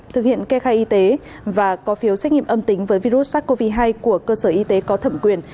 thực hiện kê khai y tế và có phiếu xét nghiệm âm tính với virus sars cov hai của cơ sở y tế có thẩm quyền